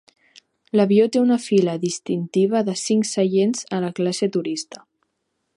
L'avió té una fila distintiva de cinc seients a la classe turista.